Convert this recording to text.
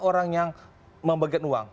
orang yang membagikan uang